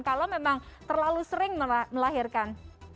kalau memang terlalu sering melahirkan